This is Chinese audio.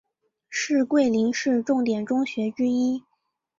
是桂林市重点中学之一。